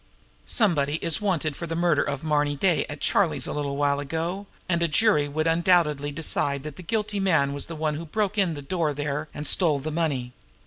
Somebody is 'wanted' for the murder of Marny Day at Charlie's a little while ago, and a jury would undoubtedly decide that the guilty man was the one who broke in the door there and stole the money.